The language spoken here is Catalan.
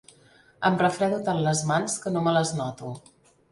Em refredo tant les mans que no me les noto.